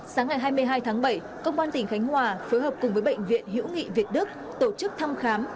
sáng ngày hai mươi hai tháng bảy công an tỉnh khánh hòa phối hợp cùng với bệnh viện hiễu nghị việt đức tổ chức thăm khám